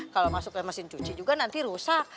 kalau masuk ke mesin cuci juga nanti rusak